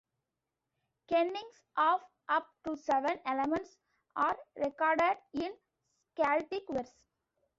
Kennings of up to seven elements are recorded in skaldic verse.